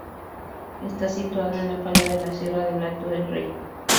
Está situado en la falda de la sierra del Alto del Rey.